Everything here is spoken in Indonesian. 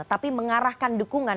tapi mengarahkan dukungan